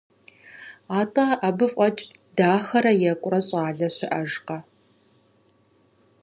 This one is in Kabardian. Атӏэ абы фӏэкӏ дахэрэ екӏурэ щӏалэ щыӏэжкъэ?